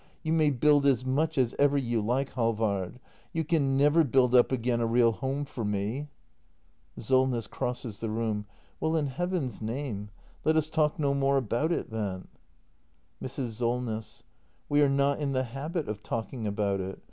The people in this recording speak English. ] You may build as much as ever you like, Halvard — you can never build up again a real home for m e ! Solness. [Crosses the room.] Well, in Heaven's name, let us talk no more about it then. act ii] THE MASTER BUILDER 325 Mrs. Solness. We are not in the habit of talking about it.